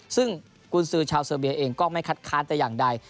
ซึ่งกุญสือชาวเซอร์เบียเองก็ไม่คัดค้านแต่อย่างใด